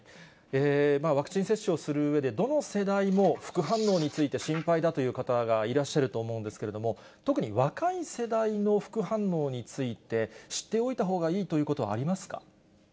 ワクチン接種をするうえで、どの世代も副反応について心配だという方がいらっしゃると思うんですけれども、特に若い世代の副反応について、知っておいたほうがいいということはありますか？